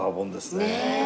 ねえ。